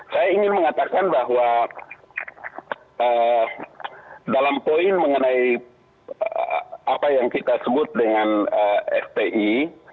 saya ingin mengatakan bahwa dalam poin mengenai apa yang kita sebut dengan fpi